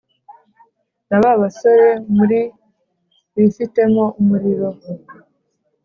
Naba basore muri bifitemo umuriro